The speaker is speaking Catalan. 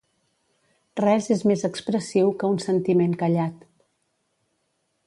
Res és més expressiu que un sentiment callat.